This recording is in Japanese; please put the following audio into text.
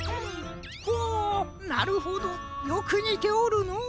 ほなるほどよくにておるのう。